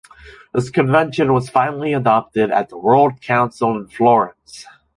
This Convention was finally adopted at the World Council in Florence.